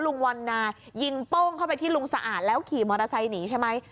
ลุงวันนายิงโป้งเข้าไปที่ลุงสะอาดแล้วขี่มอเตอร์ไซค์หนีใช่ไหม